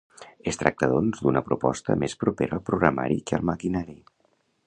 Es tracta doncs d'una proposta més propera al programari que al maquinari.